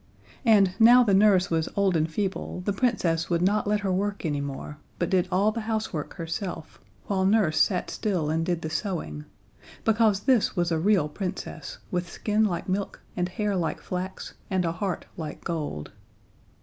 And, now the nurse was old and feeble, the Princess would not let her work any more, but did all the housework herself, while Nurse sat still and did the sewing, because this was a real Princess with skin like milk and hair like flax and a heart like gold.